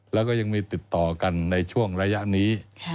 แล้วก็ยังมีติดต่อกันในช่วงระยะนี้